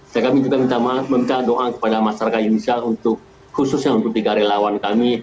dan kami juga minta doa kepada masyarakat indonesia untuk khususnya untuk tiga relawan kami